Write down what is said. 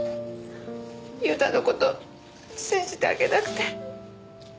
裕太の事信じてあげなくて。